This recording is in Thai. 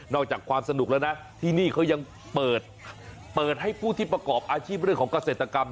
อกจากความสนุกแล้วนะที่นี่เขายังเปิดให้ผู้ที่ประกอบอาชีพเรื่องของเกษตรกรรม